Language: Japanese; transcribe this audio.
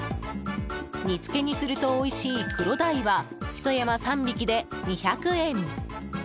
煮付けにするとおいしいクロダイはひと山３匹で２００円。